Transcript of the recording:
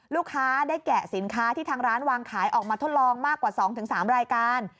ลูกค้าได้แกะสินค้าที่ทางร้านวางขายออกมาทดลองมากกว่า๒๓รายการ